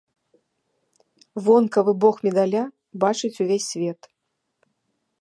Вонкавы бок медаля бачыць увесь свет.